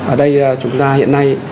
ở đây chúng ta hiện nay